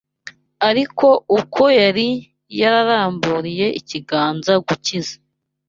Ariko uko yari yararamburiye ikiganza gukiza